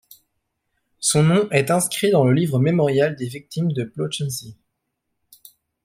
Son nom est inscrit dans le livre mémorial des victimes de la Plötzensee.